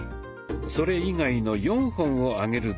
それ以外の４本を上げる動作。